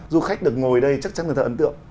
du khách được ngồi đây chắc chắn là thật ấn tượng